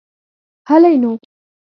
هلئ نو.